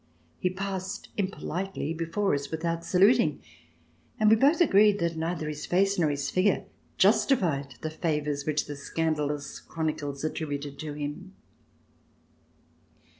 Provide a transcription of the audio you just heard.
He passed impolitely before us without saluting and we both agreed that neither his face nor his figure justified the favors which the scandalous chronicles attributed to him.